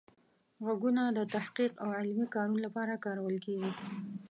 غږونه د تحقیق او علمي کارونو لپاره کارول کیږي.